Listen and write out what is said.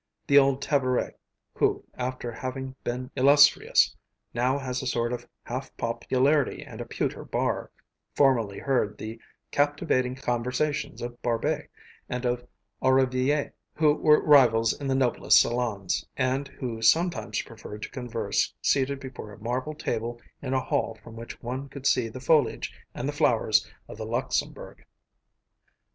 The old Tabourey, who, after having been illustrious, now has a sort of half popularity and a pewter bar, formerly heard the captivating conversations of Barbey and of Aurevilly, who were rivals in the noblest salons, and who sometimes preferred to converse seated before a marble table in a hall from which one could see the foliage and the flowers of the Luxembourg.